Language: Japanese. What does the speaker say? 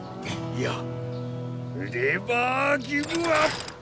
いやレバーギブアップ。